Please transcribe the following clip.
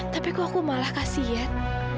tapi kok aku malah kasian